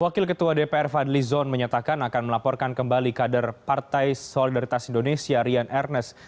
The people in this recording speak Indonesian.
wakil ketua dpr fadli zon menyatakan akan melaporkan kembali kader partai solidaritas indonesia rian ernest